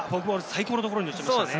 最高のところに落ちましたね。